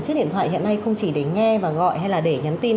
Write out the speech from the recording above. chiếc điện thoại hiện nay không chỉ để nghe và gọi hay là để nhắn tin